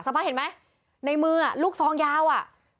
สักพักเห็นไหมในมืออ่ะลูกซองยาวอ่ะ